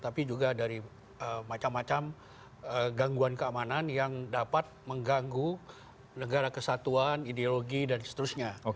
tapi juga dari macam macam gangguan keamanan yang dapat mengganggu negara kesatuan ideologi dan seterusnya